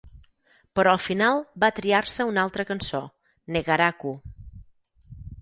Però al final va triar-se una altra cançó "Negaraku".